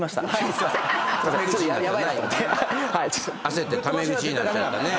焦ってタメ口になっちゃったね。